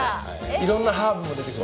いろんなハーブも出てくる？